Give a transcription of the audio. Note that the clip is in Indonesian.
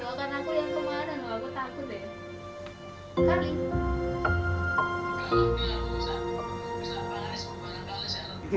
jangan aku yang kemana aku takut deh